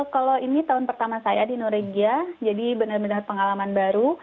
kalau ini tahun pertama saya di norwegia jadi benar benar pengalaman baru